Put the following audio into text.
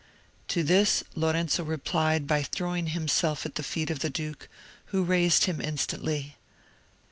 To this Lorenzo replied by throwing himself at the feet of the duke, who raised him instantly.